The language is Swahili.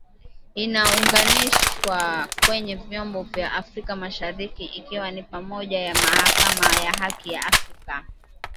inaunganishwa kwenye vyombo vya afrika mashariki ikiwa ni pamoja na Mahakama ya Haki ya Afrika